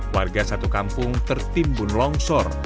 warga satu kampung tertimbun longsor